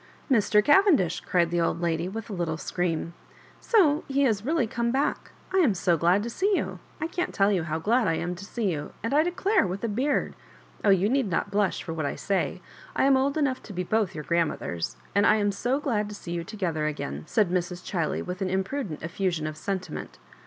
" Mr. Cavendish 1" cried the old lady, with a lit tle scream. So he has really come back ! I am so glad to see you. I can't tell you how glad I am to see you ; and, I declare, with a beard 1 Oh, you need not bluish for what 1 say. I am old enough to be both your grandmothers, and I am so glad to see you together again 1" said Mrs. Chiley, with an imprudent effusion of sentiment.